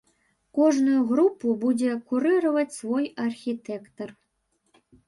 Кожную групу будзе курыраваць свой архітэктар.